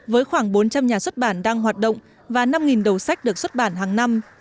với khoảng bốn trăm linh nhà xuất bản đang hoạt động và năm đầu sách được xuất bản hàng năm